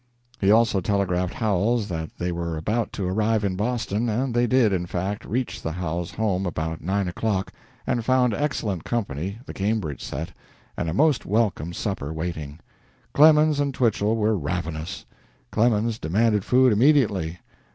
He also telegraphed Howells that they were about to arrive in Boston, and they did, in fact, reach the Howells home about nine o'clock, and found excellent company the Cambridge set and a most welcome supper waiting. Clemens and Twichell were ravenous. Clemens demanded food immediately.